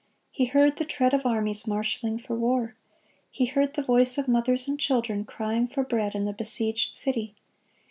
He heard the tread of armies marshaling for war. He heard the voice of mothers and children crying for bread in the besieged city.